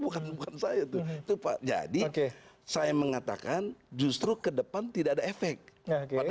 bukan bukan saya tuh itu pak jadi oke saya mengatakan justru ke depan tidak ada efek ya oke